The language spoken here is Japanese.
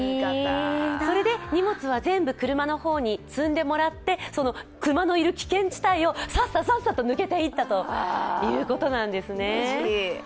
それで荷物は全部車に積んでもらって、熊のいる危険地帯をさっさ、さっさと抜けていったということなんですね。